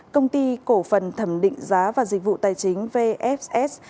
công ty cổ phần thẩm định giá và dịch vụ tài chính vfs